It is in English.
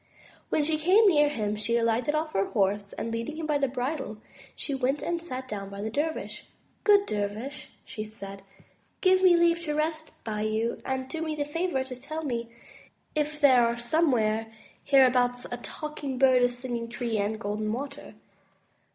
When she came near him, she alighted off her horse, and leading him by the bridle, she went and sat down by the dervish. Good dervish,'* she said, give me leave to rest by you; and do me the favor to tell me if there are somewhere here abouts a Talking Bird, a Singing Tree, and Golden Water.'